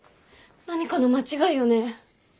何かの間違いよね？